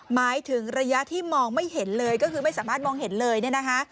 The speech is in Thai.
หมายถึงระยะที่มองไม่เห็นเลยก็คือไม่สามารถมองเห็นเลยเนี่ยนะคะ